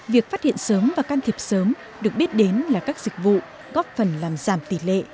việc phát hiện sớm và can thiệp sớm được biết đến là các dịch vụ góp phần làm giảm tỷ lệ